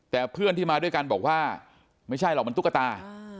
แต่เพื่อนที่มาด้วยกันบอกว่าไม่ใช่หรอกมันตุ๊กตา